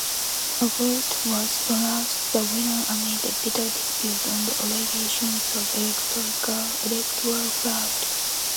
Obote was pronounced the winner amid bitter dispute and allegations of electoral fraud.